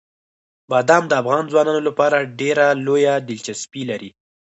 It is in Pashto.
بادام د افغان ځوانانو لپاره ډېره لویه دلچسپي لري.